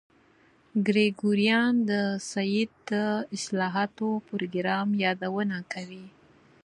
ګریګوریان د سید د اصلاحاتو پروګرام یادونه کوي.